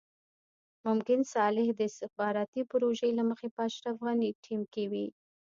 ممکن صالح د استخباراتي پروژې له مخې په اشرف غني ټيم کې وي.